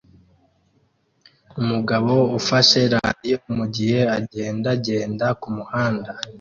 Umugabo ufashe radio mugihe agendagenda kumuhanda